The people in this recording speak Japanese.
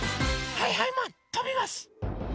はいはいマンとびます！